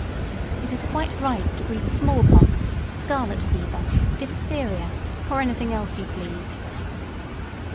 It is quite ripe to breed small pox, scarlet fever, diphtheria, or anything else you please.